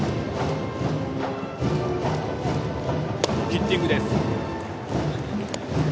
ヒッティングです。